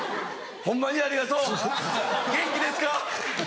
ホンマにありがとう元気ですか？」。